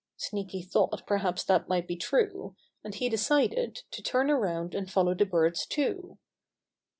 Sneaky thought perhaps that might be true, and he decided to turn around and follow the birds too.